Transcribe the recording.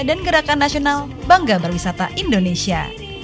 dan gerakan nasional bangga berwisata indonesia